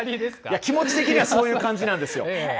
気持ち的にはそういう感じなんですよ。